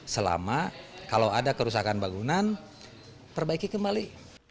selama kalau ada kerusakan bangunan perbaiki kembali